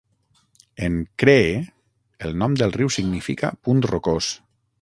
En cree, el nom del riu significa "punt rocós".